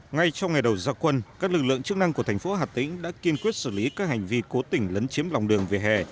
ngay trong ngày đầu gia quân các lực lượng chức năng của thành phố hà tĩnh đã kiên quyết xử lý các hành vi cố tình lấn chiếm lòng đường về hè